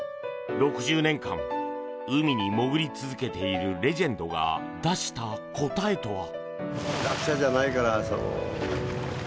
６０年間、海に潜り続けているレジェンドが出した答えとは？